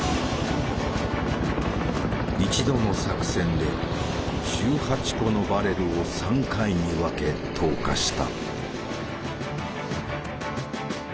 一度の作戦で１８個のバレルを３回に分け投下した。